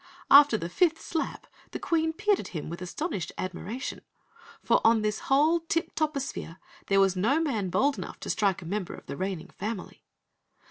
After the fifth slap the Queen peered at him with astonished admiration, for on this whole Tip toposphere there was no man bold enough to strike a member of the reigning family.